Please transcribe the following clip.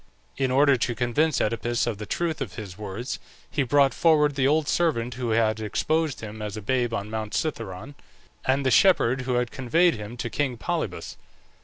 In order to convince Oedipus of the truth of his words, he brought forward the old servant who had exposed him as a babe on Mount Cithaeron, and the shepherd who had conveyed him to king Polybus.